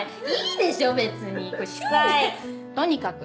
とにかく。